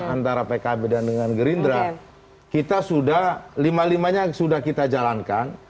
antara pkb dan dengan gerindra kita sudah lima limanya sudah kita jalankan